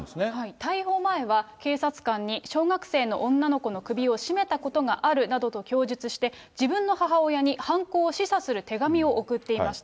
逮捕前は、警察官に、小学生の女の子の首を絞めたことがあるなどと供述して、自分の母親に犯行を示唆する手紙を送っていました。